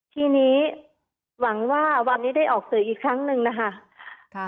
ทีนี้หวังว่าวันนี้ได้ออกสื่ออีกครั้งหนึ่งนะคะ